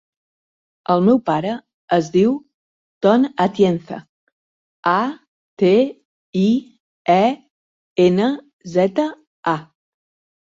El meu pare es diu Ton Atienza: a, te, i, e, ena, zeta, a.